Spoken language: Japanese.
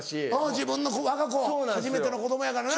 自分のわが子初めての子供やからな。